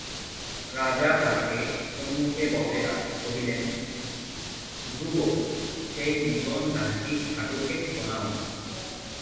রাজা তাহাকে সম্মুখে বসাইয়া কহিলেন, ধ্রুব সেই নূতন গানটি ঠাকুরকে শোনাও।